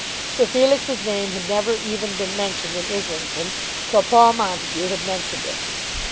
Sir Felix's name had never even been mentioned in Islington till Paul Montague had mentioned it.